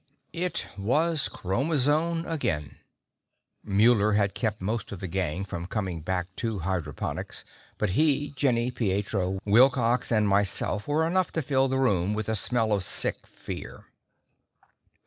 III It was chromazone again. Muller had kept most of the gang from coming back to hydroponics, but he, Jenny, Pietro, Wilcox and myself were enough to fill the room with the smell of sick fear.